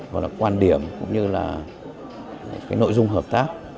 và là quan điểm cũng như là nội dung hợp tác